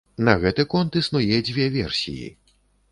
На гэты конт існуе дзве версіі.